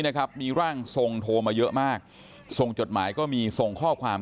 นะครับมีร่างทรงโทรมาเยอะมากส่งจดหมายก็มีส่งข้อความ